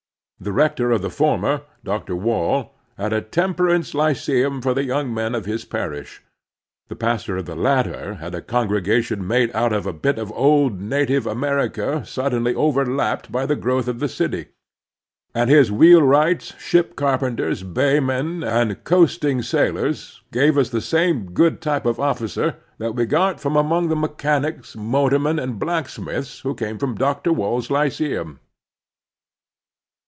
The rector of the former, Dr. Wall, had a temper ance lycetim for the yotmg men of his parish ; the pastor of the latter had a congregation made out of a bit of old native America suddenly overlapped by the growth of the city, and his wheelwrights, ship carpenters, baymen, and coasting sailors gave us the same good type of officer that we got from among the mechanics, motormen, and blacksmiths who came from Dr. Wall's lyceum.